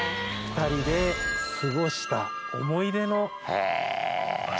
２人で過ごした思い出の場所という。